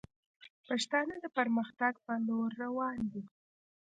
پښتانه د پرمختګ پر لور روان دي